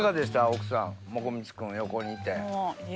奥さんもこみち君横にいて。